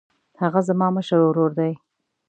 هغه زما مشر ورور دی.